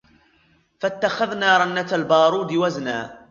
فاتخذنا رنة البارود وزنا